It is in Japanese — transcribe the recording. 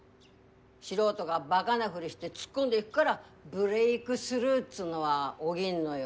素人がバガなふりして突っ込んでいぐがらブレークスルーっつうのは起ぎんのよ。